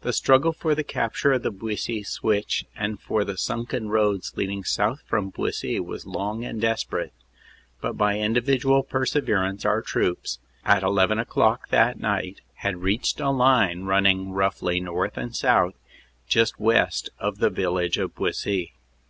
The struggle for the capture of the Buissy Switch and for the sunken roads leading south from Buissy was long and desperate, but by in dividual perseverance our troops, at eleven o clock that night, had reached a line running roughly north and south just west of the village of Buissy.